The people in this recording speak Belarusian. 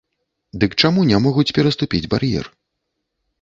Дык чаму не могуць пераступіць бар'ер?